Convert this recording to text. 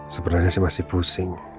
sebenernya sih masih pusing